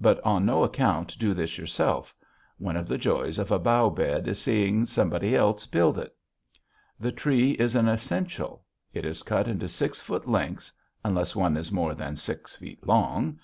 But on no account do this yourself. One of the joys of a bough bed is seeing somebody else build it. The tree is an essential. It is cut into six foot lengths unless one is more than six feet long.